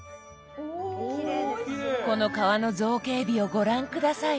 この皮の造形美をご覧下さい。